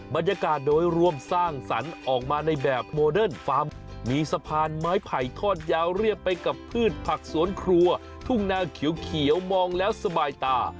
บรรยากาศโดยรวมสร้างสรรค์ออกมาในแบบโมเดิร์นฟาร์มมีสะพานไม้ไผ่ทอดยาวเรียบไปกับพืชผักสวนครัวทุ่งนาเขียวมองแล้วสบายตา